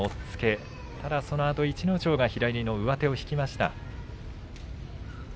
しかし、そのあと逸ノ城が左から上手を引きました。